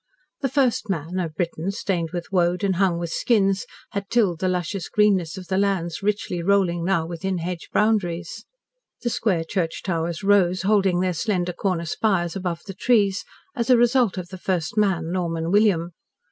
The First Man, a Briton stained with woad and hung with skins, had tilled the luscious greenness of the lands richly rolling now within hedge boundaries. The square church towers rose, holding their slender corner spires above the trees, as a result of the First Man, Norman William.